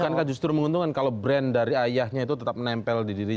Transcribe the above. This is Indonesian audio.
bukankah justru menguntungkan kalau brand dari ayahnya itu tetap menempel di dirinya